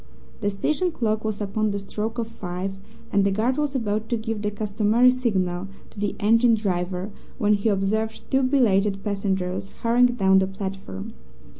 The station clock was upon the stroke of five, and the guard was about to give the customary signal to the engine driver when he observed two belated passengers hurrying down the platform.